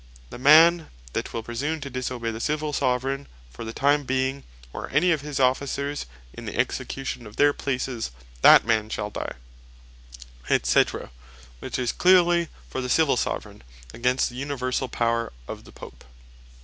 "The man that will presume to disobey the Civill Soveraign for the time being, or any of his Officers in the execution of their places, that man shall die, &c." which is cleerly for the Civill Soveraignty, against the Universall power of the Pope.